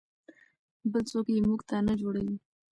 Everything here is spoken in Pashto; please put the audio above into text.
بل څوک یې موږ ته نه جوړوي.